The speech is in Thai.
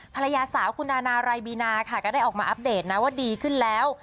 ภรรยาสาวคุณนานาไรบีนาค่ะก็ได้ออกมาอัปเดตนะว่าดีขึ้นแล้ว